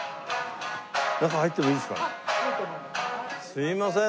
すいません。